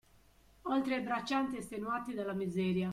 Oltre ai braccianti estenuati dalla miseria.